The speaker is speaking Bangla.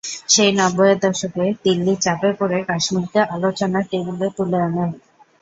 সেই নব্বইয়ের দশকে দিল্লি চাপে পড়ে কাশ্মীরকে আলোচনার টেবিলে তুলে আনে।